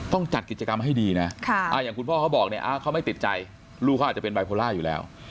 ต้องจัดกิจกรรมให้ดีนะอย่างคุณพ่อเขาบอกเนี่ยเขาไม่ติดใจลูกเขาอาจจะเป็นบายโพล่าอยู่แล้ว